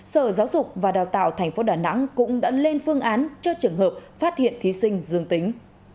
sở giáo dục và đào tạo tp đà nẵng cũng đã lên phương án cho trường hợp phát hiện thí sinh dương tính